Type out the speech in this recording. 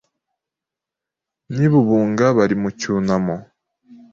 N'i Bubunga bari mu cyunamo